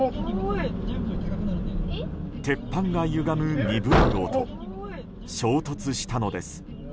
鉄板がゆがむ鈍い音衝突したのです。